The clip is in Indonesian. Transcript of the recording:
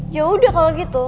yaudah kalau gitu